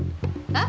あ？